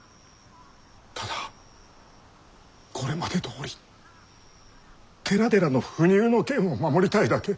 ただこれまでどおり寺々の不入の権を守りたいだけ。